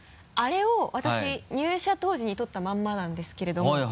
あれを私入社当時に撮ったまんまなんですけれども。